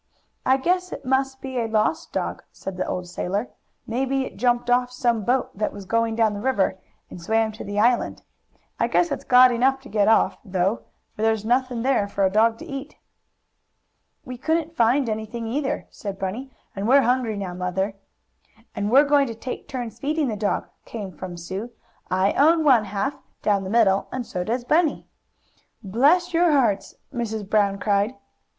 "I guess it must be a lost dog," said the old sailor. "Maybe it jumped off some boat that was going down the river, and swam to the island. I guess it's glad enough to get off, though, for there's nothing there for a dog to eat." "We couldn't find anything, either," said Bunny, "and we're hungry now, Mother." "And we're going to take turns feeding the dog," came from Sue. "I own one half, down the middle, and so does Bunny." "Bless your hearts!" Mrs. Brown cried.